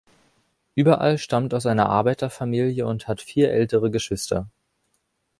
Überall stammt aus einer Arbeiterfamilie und hat vier ältere Geschwister.